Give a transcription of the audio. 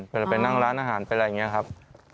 เวลาไปนั่งร้านอาหารไปอะไรอย่างนี้ครับ